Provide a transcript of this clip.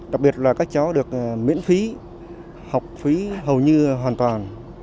đặc biệt là các cháu được miễn phí học phí hầu như hoàn toàn